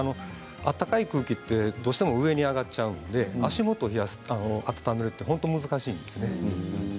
暖かい空気は、どうしても上に上がっちゃうので足元を温めるのは本当に難しいんですね。